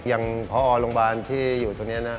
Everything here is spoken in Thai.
ยังพอโรงบาลที่อยู่ตรงนี้